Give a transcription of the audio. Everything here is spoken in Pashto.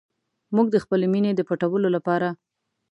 موږ د خپلې مینې د پټولو لپاره.